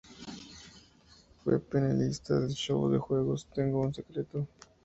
Fue panelista del show de juegos Tengo un secreto.